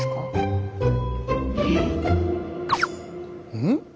うん？